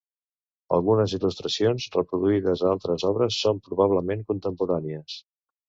Algunes il·lustracions reproduïdes a altres obres són probablement contemporànies.